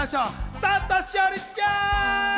佐藤栞里ちゃん。